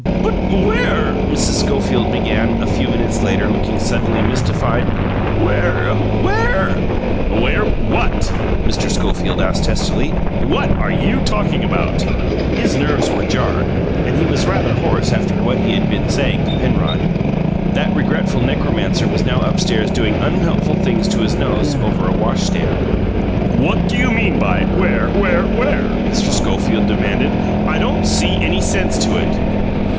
"But where," Mrs. Schofield began, a few minutes later, looking suddenly mystified "where where " "Where what?" Mr. Schofield asked testily. "What are you talking about?" His nerves were jarred, and he was rather hoarse after what he had been saying to Penrod. (That regretful necromancer was now upstairs doing unhelpful things to his nose over a washstand.) "What do you mean by, 'Where, where, where?'" Mr. Schofield demanded. "I don't see any sense to it."